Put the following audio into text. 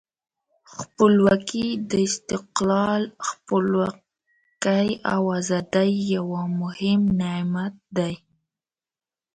خپلواکي د استقلال، خپلواکي او آزادۍ یو مهم نعمت دی.